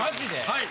はい。